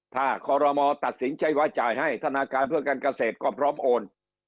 ถ้าคอรมอตัดสินใช้วาจ่ายให้ธนาคารเพื่อการเกษตรก็พร้อมโอน